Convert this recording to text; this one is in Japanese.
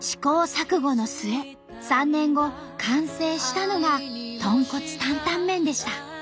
試行錯誤の末３年後完成したのが豚骨タンタン麺でした。